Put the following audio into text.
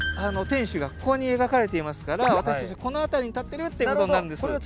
天守がここに描かれていますから私達はこの辺りに立ってるっていうことになるんです